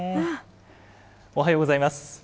おはようございます。